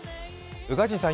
宇賀神さん